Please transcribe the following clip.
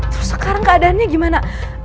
terus sekarang keadaannya gimana